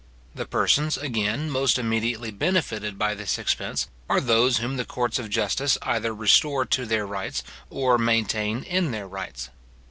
The persons, again, most immediately benefited by this expense, are those whom the courts of justice either restore to their rights, or maintain in their rights.